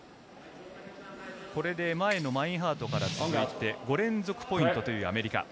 これで前のマインハートから続いて５連続ポイントというアメリカ。